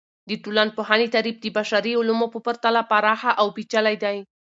د ټولنپوهنې تعریف د بشري علومو په پرتله پراخه او پیچلي دی.